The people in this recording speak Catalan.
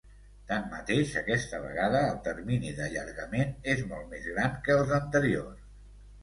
Tanmateix, aquesta vegada el termini d’allargament és molt més gran que els anteriors.